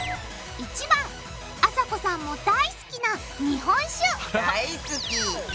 １番あさこさんも大好きな日本酒大好き！